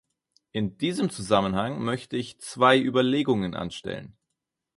In diesem Zusammenhang möchte ich zwei Überlegungen anstellen.